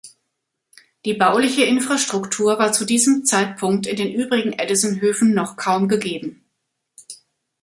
Die bauliche Infrastruktur war zu diesem Zeitpunkt in den übrigen Edison-Höfen noch kaum gegeben.